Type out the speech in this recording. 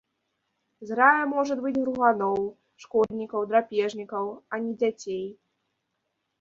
Зграя можа быць груганоў, шкоднікаў, драпежнікаў, а не дзяцей.